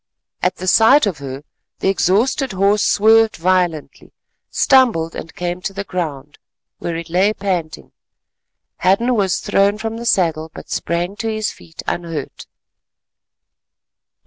At the sight of her the exhausted horse swerved violently, stumbled and came to the ground, where it lay panting. Hadden was thrown from the saddle but sprang to his feet unhurt.